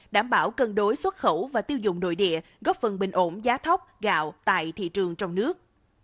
đảm bảo cân đối xuất khẩu và tiêu dùng nội địa góp phần bình ổn giá thóc gạo tại thị trường trong nước